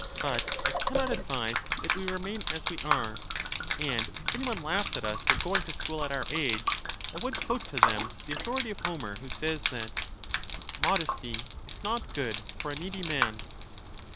But I can not advise that we remain as we are. And if any one laughs at us for going to school at our age, I would quote to them the authority of Homer, who says, that Modesty is not good for a needy man."